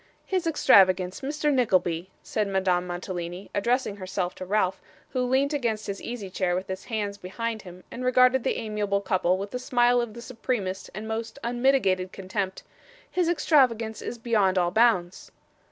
'His extravagance, Mr. Nickleby,' said Madame Mantalini, addressing herself to Ralph, who leant against his easy chair with his hands behind him, and regarded the amiable couple with a smile of the supremest and most unmitigated contempt, 'his extravagance is beyond all bounds.